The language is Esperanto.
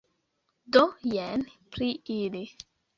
Do, jen pri ili.